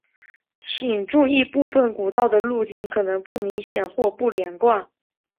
请注意部份古道的路径可能不明显或不连贯。